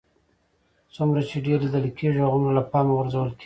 څومره چې ډېر لیدل کېږئ هغومره له پامه غورځول کېږئ